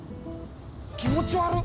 気持ち悪っ。